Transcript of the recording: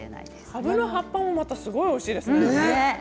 かぶの葉っぱもすごくおいしいですね。